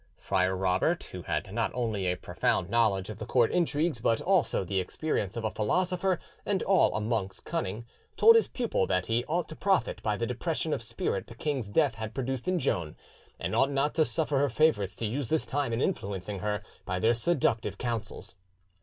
Friar Robert, who had not only a profound knowledge of the court intrigues, but also the experience of a philosopher and all a monk's cunning, told his pupil that he ought to profit by the depression of spirit the king's death had produced in Joan, and ought not to suffer her favourites to use this time in influencing her by their seductive counsels.